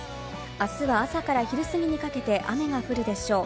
明日は朝から昼過ぎにかけて雨が降るでしょう。